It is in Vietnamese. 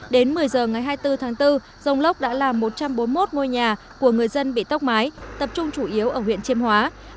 đến một mươi giờ ngày hai mươi bốn tháng bốn rông lốc đã làm một trăm bốn mươi một ngôi nhà của người dân bị tốc mái tập trung chủ yếu ở huyện chiêm hóa